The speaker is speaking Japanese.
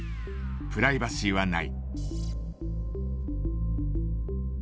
プライバシーはない。